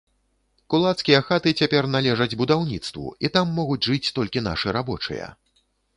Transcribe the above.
Кулацкія хаты цяпер належаць будаўніцтву, і там могуць жыць толькі нашы рабочыя.